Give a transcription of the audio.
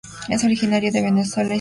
Es originario de Venezuela y Surinam.